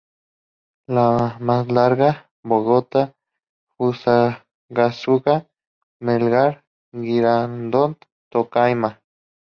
La más larga, Bogotá, Fusagasugá, Melgar, Girardot, Tocaima.